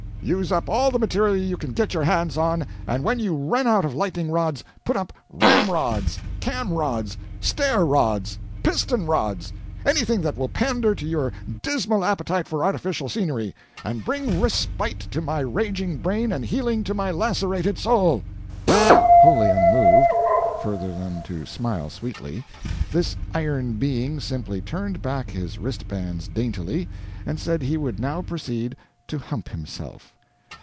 Use up all the material you can get your hands on, and when you run out of lightning rods put up ramrods, cam rods, stair rods, piston rods anything that will pander to your dismal appetite for artificial scenery, and bring respite to my raging brain and healing to my lacerated soul!" Wholly unmoved further than to smile sweetly this iron being simply turned back his wrist bands daintily, and said he would now proceed to hump himself.